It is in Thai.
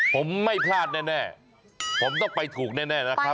ผมไม่พลาดแน่ผมต้องไปถูกแน่นะครับ